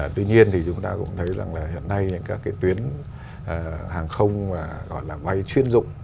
tuy nhiên thì chúng ta cũng thấy rằng là hiện nay những các cái tuyến hàng không gọi là bay chuyên dụng